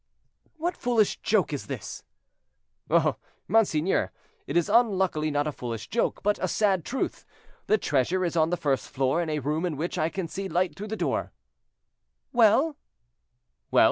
"What foolish joke is this?" "Oh! monseigneur, it is unluckily not a foolish joke, but a sad truth. The treasure is on the first floor, in a room in which I can see light through the door." "Well?" "Well!